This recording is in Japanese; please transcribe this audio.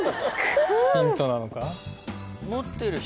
・ヒントなのか！？